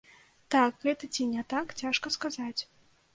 Так гэта ці не так, цяжка сказаць.